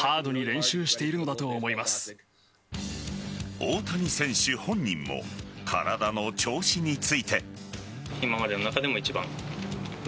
大谷選手本人も体の調子について。